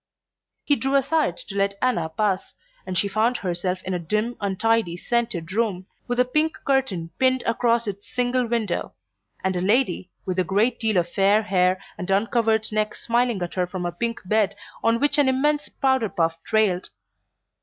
He drew aside to let Anna pass, and she found herself in a dim untidy scented room, with a pink curtain pinned across its single window, and a lady with a great deal of fair hair and uncovered neck smiling at her from a pink bed on which an immense powder puff trailed.